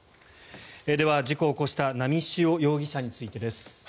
では、事故を起こした波汐容疑者についてです。